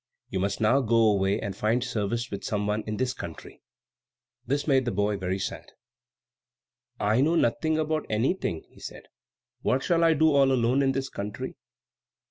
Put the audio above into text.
You must now go away and find service with some one in this country." This made the boy very sad. "I know nothing about anything," he said. "What shall I do all alone in this country?"